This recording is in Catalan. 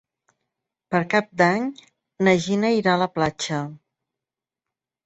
Per Cap d'Any na Gina irà a la platja.